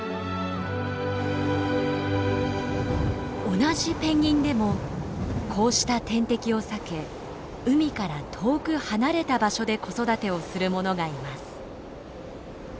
同じペンギンでもこうした天敵を避け海から遠く離れた場所で子育てをするものがいます。